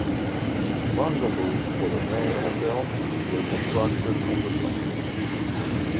Bungalows for the main hotel were constructed on the site.